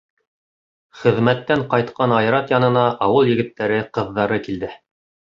Хеҙмәттән ҡайтҡан Айрат янына ауыл егеттәре, ҡыҙҙары килде.